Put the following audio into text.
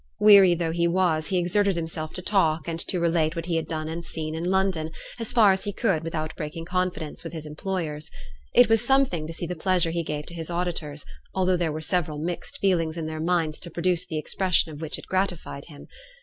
Weary though he was, he exerted himself to talk and to relate what he had done and seen in London, as far as he could without breaking confidence with his employers. It was something to see the pleasure he gave to his auditors, although there were several mixed feelings in their minds to produce the expression of it which gratified him.